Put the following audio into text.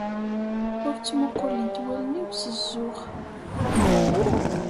Ur ttmuqulent wallen-iw s zzux.